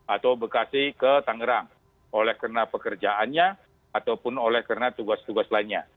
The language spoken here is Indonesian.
atau bekasi ke tangerang oleh karena pekerjaannya ataupun oleh karena tugas tugas lainnya